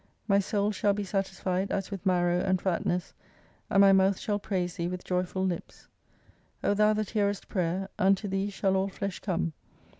Afy soul shall be satisfied as with marrow and fatness, and my mouth shall praise Thee with joyful lips. O Thou that hearest prayer, unto Thee shall all flesh come.